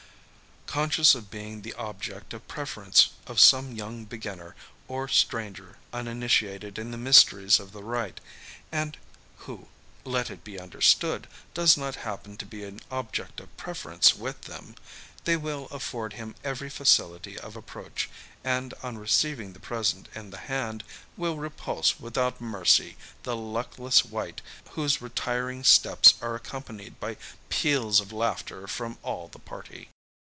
Conscious of being the object of preference of some young beginner, or stranger uninitiated in the mysteries of the rite and who, let it be understood, does not happen to be an object of preference with them they will afford him every facility of approach, and on receiving the present in the hand, will repulse without mercy the luckless wight, whose retiring steps are accompanied by peals of laughter from all the party.